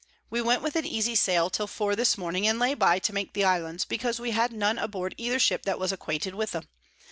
We went with an easy Sail till four this Morning, and lay by to make the Islands, because we had none aboard either Ship that was acquainted with 'em.